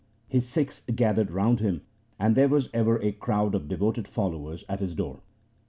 His Sikhs gathered round him, and there was ever a crowd of devoted followers at his door.